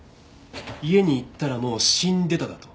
家に行ったらもう死んでただと？